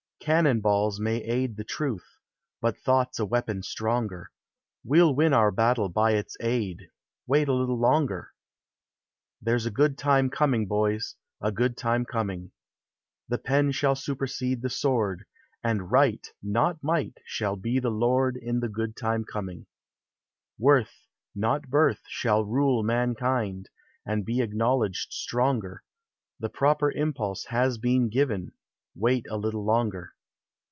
Cannon hiil Is may aid tin truth, lint thought \s a weapon Btrongerj We 11 win "in battle by its aid ;— Wait, a little longer. There 's a good time coming, boj . A good tim« coming : The p' n shall supersede tin sword, Ami Right, not Might, shall 1" the l<>rd In the good tiim coming. 400 POEMS OF SENTIMENT. Worth, not Birth, shall rule mankind, And be acknowledged stronger ; The proper impulse has been given; — Wait a little longer.